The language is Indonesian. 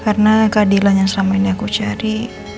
karena keadilan yang selama ini aku cari